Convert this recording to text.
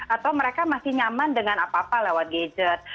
atau mereka masih nyaman dengan apa apa lewat gadget